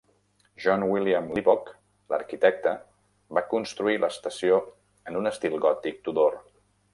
John William Livock, l'arquitecte, va construir l'estació en un estil gòtic Tudor.